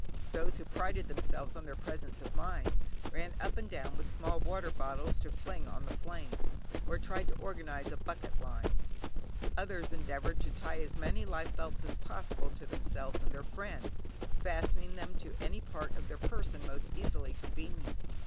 Those who prided themselves on their presence of mind, ran up and down with small water bottles to fling on the flames, or tried to organise a bucket line. Others endeavoured to tie as many life belts as possible to themselves and their friends, fastening them to any part of their persons most easily convenient.